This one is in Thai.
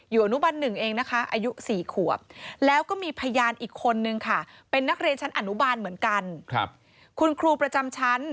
อยู่อนุบัน๑เองนะคะ